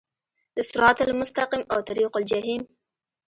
د صراط المستقیم او طریق الجحیم